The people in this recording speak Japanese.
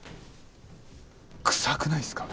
臭くないですか？